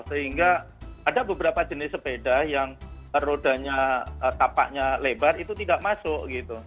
sehingga ada beberapa jenis sepeda yang rodanya tapaknya lebar itu tidak masuk gitu